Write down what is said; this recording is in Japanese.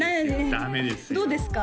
ダメですよどうですか？